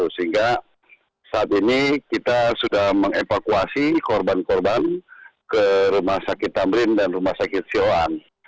sehingga saat ini kita sudah mengevakuasi korban korban ke rumah sakit tamrin dan rumah sakit sioan